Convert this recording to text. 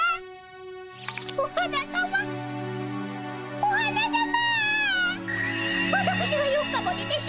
お花さま。